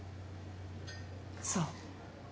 そう。